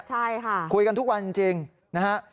ใช่ค่ะคุยกันทุกวันจริงนะฮะ